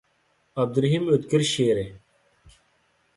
ئابدۇرېھىم ئۆتكۈر شېئىرى.